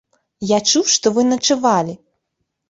Я чуў, што вы начавалі.